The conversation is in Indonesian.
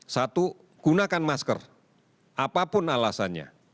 satu gunakan masker apapun alasannya